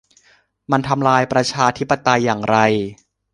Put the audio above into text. มันทำลายประชาธิปไตยอย่างไร